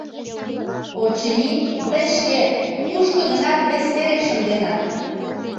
— Очыни, тый шке кушко-гынат вес вере шынденат...